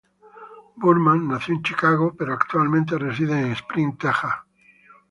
Boorman nació en Chicago pero actualmente reside en Spring, Texas.